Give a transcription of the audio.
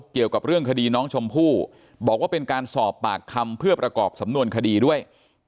เกี่ยวกับเรื่องคดีน้องชมพู่บอกว่าเป็นการสอบปากคำเพื่อประกอบสำนวนคดีด้วย